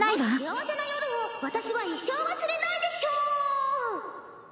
この幸せな夜を私は一生忘れないでしょう！